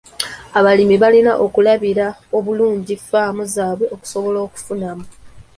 Abalimi balina okulabirira obulungi ffaamu zaabwe okusobola okufunamu.